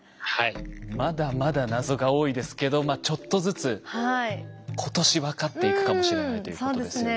まだまだ謎が多いですけどちょっとずつ今年分かっていくかもしれないということですよね。